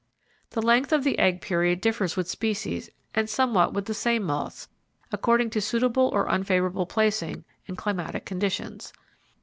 The length of the egg period differs with species and somewhat with the same moths, according to suitable or unfavourable placing, and climatic conditions.